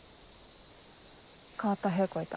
変わった屁こいた。